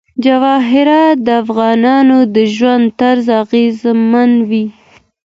جواهرات د افغانانو د ژوند طرز اغېزمنوي.